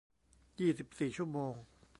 ยี่สิบสี่ ชั่วโมง